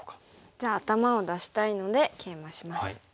じゃあ頭を出したいのでケイマします。